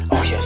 siap siap pak